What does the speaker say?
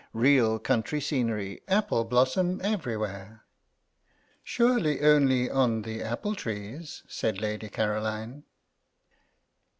Real country scenery; apple blossom everywhere." "Surely only on the apple trees," said Lady Caroline.